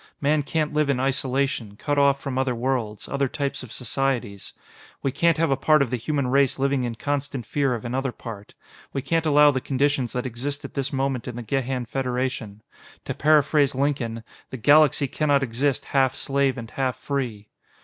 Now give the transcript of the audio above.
Man can't live in isolation, cut off from other worlds, other types of societies. "We can't have a part of the human race living in constant fear of another part. We can't allow the conditions that exist at this moment in the Gehan Federation. To paraphrase Lincoln, 'The galaxy cannot exist half slave and half free.'